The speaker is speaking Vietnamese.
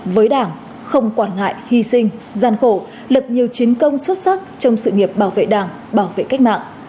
với đảng không quản ngại hy sinh gian khổ lập nhiều chiến công xuất sắc trong sự nghiệp bảo vệ đảng bảo vệ cách mạng